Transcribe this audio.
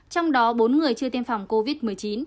trong đó bốn người chưa tiêm phòng covid một mươi chín